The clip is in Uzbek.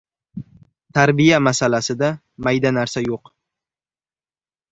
Tarbiya masalasida mayda narsa yo‘q.